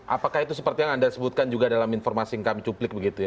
apakah itu seperti yang anda sebutkan juga dalam informasi yang kami cuplik begitu ya